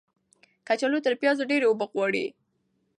کچالو تر پیازو ډیرې اوبه غواړي.